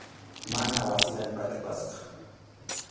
Manas wasi allpachu kasqa.